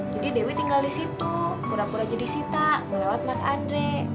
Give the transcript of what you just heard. jadi dewi tinggal di situ pura pura jadi sita melawat mas andre